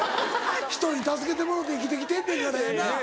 人に助けてもろうて生きてきてんねんからやな。